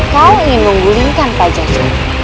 kau ingin menggulingkan pajakku